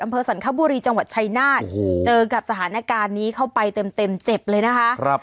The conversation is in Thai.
สันคบุรีจังหวัดชายนาฏเจอกับสถานการณ์นี้เข้าไปเต็มเจ็บเลยนะคะ